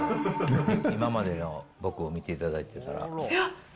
今までの僕を見ていただいてたら。